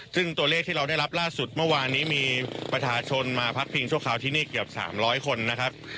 ซึ่งตัวเลขที่เราได้รับล่าสุดเมื่อวานนี้มีประชาชนมาพักพิงชั่วคราวที่นี่เกือบ๓๐๐คนนะครับ